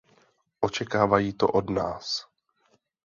Očekávají to od nás.